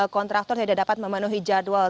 kontraktor tidak dapat memenuhi jadwal